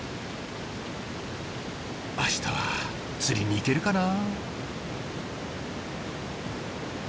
あしたは釣りに行けるかな。